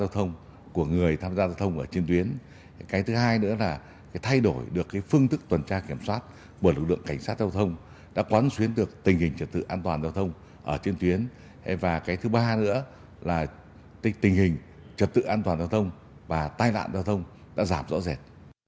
tình hình trật tự an toàn giao thông và tai nạn giao thông đã giảm rõ rệt